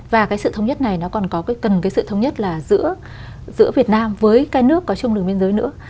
và cái sự thống nhất này nó còn có cần cái sự thống nhất là giữa việt nam với cái nước có chung đường biên giới nữa